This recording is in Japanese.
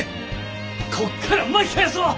こっから巻き返そ！